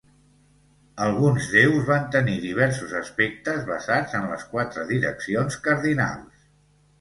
Alguns déus van tenir diversos aspectes basats en les quatre direccions cardinals.